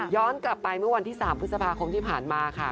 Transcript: กลับไปเมื่อวันที่๓พฤษภาคมที่ผ่านมาค่ะ